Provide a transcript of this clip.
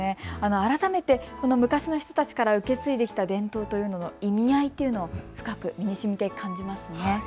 改めて、この昔の人たちから受け継いできた伝統というものの意味合いというのを深く身にしみて感じますね。